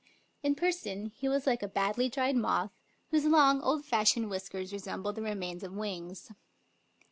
In person he was like a badly dried moth, whose long, old fashioned whiskers resembled the remains of wings.